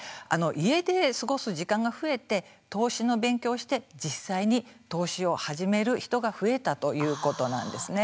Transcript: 家で過ごす時間が増えて投資の勉強をして実際に投資を始める人が増えたということなんですね。